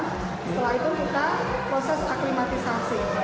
setelah itu kita proses aklimatisasi